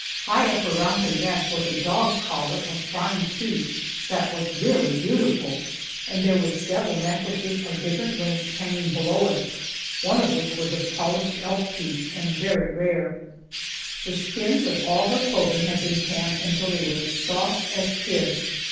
High up around her neck was a dog collar of fine teeth that was really beautiful, and there were several necklaces of different lengths hanging below it, one of which was of polished elk teeth and very rare. The skins of all her clothing had been tanned until they were as soft as kid.